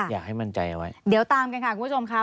เดี๋ยวตามกันค่ะคุณผู้ชมคะ